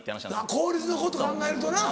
効率のこと考えるとな。